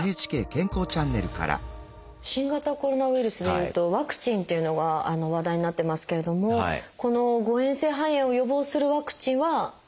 新型コロナウイルスで言うとワクチンっていうのが話題になってますけれどもこの誤えん性肺炎を予防するワクチンは今はないですか？